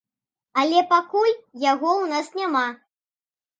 Але пакуль яго ў нас няма.